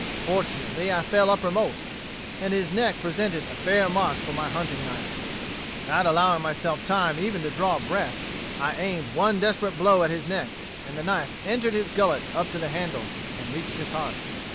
Fortunately, I fell uppermost, and his neck presented a fair mark for my hunting knife. Without allowing myself time even to draw breath, I aimed one desperate blow at his neck, and the knife entered his gullet up to the handle, and reached his heart.